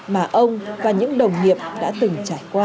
mà ông và những đồng nghiệp đã từng trải qua